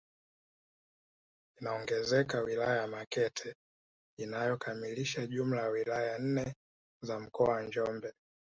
Inaongezeka wilaya ya Makete inayokamilisha jumla ya wilaya nne za mkoa wa Njombe